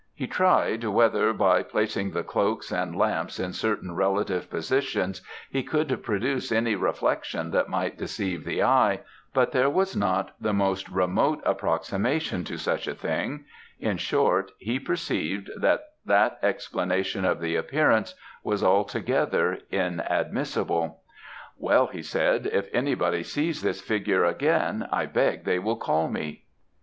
He tried, whether by placing the cloaks and the lamp in certain relative positions he could produce any reflection that might deceive the eye; but there was not the most remote approximation to such a thing; in short, he perceived that that explanation of the appearance was altogether inadmissible. "'Well,' he said, 'if anybody sees this figure again, I beg they will call me!'